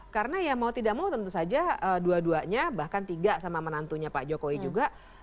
karena ya mau tidak mau tentu saja dua duanya bahkan tiga sama menantunya pak jokowi juga